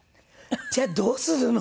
「じゃあどうするの？」。